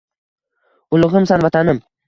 «Ulug‘imsan, Vatanim!»